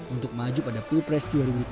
untuk maju pada pilpres dua ribu dua puluh